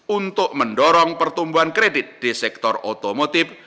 untuk mendorong pertumbuhan kredit di sektor otomotif